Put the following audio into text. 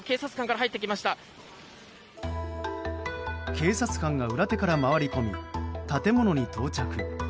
警察官が裏手から回り込み建物に到着。